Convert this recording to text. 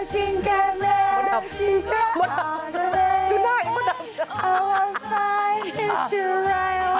หมดอัพ